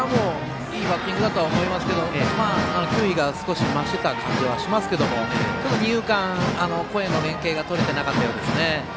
いいバッティングだと思いますが球威が増してた感じはしますがちょっと二遊間、声の連係がとれてなかったようですね。